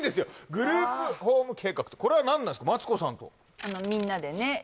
グループホーム計画これは何なんですかマツコさんとみんなでね